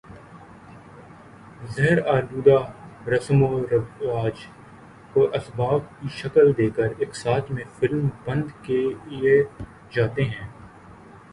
زہر آلودہ رسم و رواج کو اسباق کی شکل دے کر اقساط میں فلم بند کئے جاتے ہیں